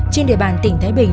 trên địa bàn tỉnh thái bình